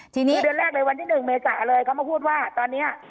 ทีนี้เดือนแรกเลยวันที่๑เมษาเลยเขามาพูดว่าตอนนี้